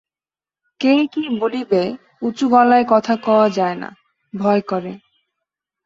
কে কি বলিবে, উঁচু গলায় কথা কওয়া যায় না, ভয় করে।